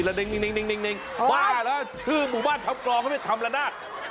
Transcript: บ้าเหรอชื่อหมู่บ้านทำกรองเขาไม่ได้ทำละนาด